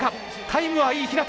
タイムはいい日向。